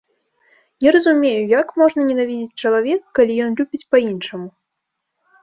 Не разумею, як можна ненавідзець чалавека, калі ён любіць па-іншаму?